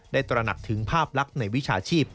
ตระหนักถึงภาพลักษณ์ในวิชาชีพ